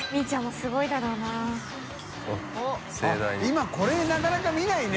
今これなかなか見ないね。